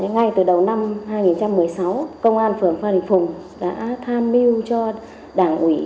ngay từ đầu năm hai nghìn một mươi sáu công an phường phan đình phùng đã tham mưu cho đảng ủy